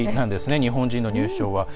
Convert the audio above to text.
日本人の入賞は。